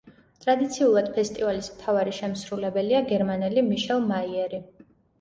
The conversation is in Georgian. ტრადიციულად, ფესტივალის მთავარი შემსრულებელია გერმანელი მიშელ მაიერი.